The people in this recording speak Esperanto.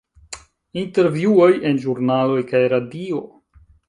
Intervjuoj en ĵurnaloj kaj radio.